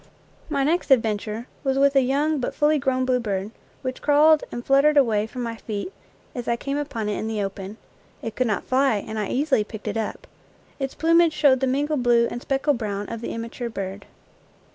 My next adventure was with a young but fully grown bluebird, which crawled and fluttered away from my feet as I came upon it hi the open. It could not fly, and I easily picked it up. Its plumage showed the mingled blue and speckled brown of the immature bird.